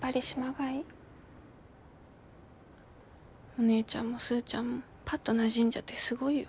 お姉ちゃんもスーちゃんもパッとなじんじゃってすごいよ。